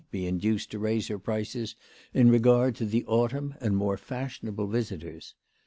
35 be induced to raise her prices in regard to the autumn and more fashionable visitors.